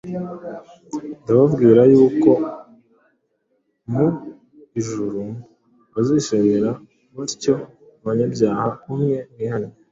Ndababwira yuko mu ijuru bazishimira batyo umunyabyaha umwe wihannye,